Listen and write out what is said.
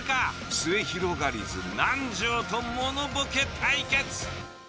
すゑひろがりず南條とモノボケ対決。